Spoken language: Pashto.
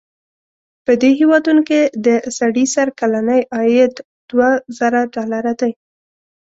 په دې هېوادونو کې د سړي سر کلنی عاید دوه زره ډالره دی.